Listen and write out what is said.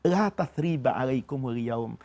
latahtriba alaikumul yaum